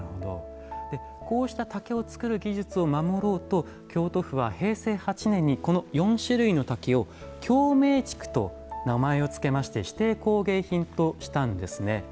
こうした竹を作る技術を守ろうと京都府は平成８年にこの４種類の竹を京銘竹と名前を付けまして指定工芸品としたんですね。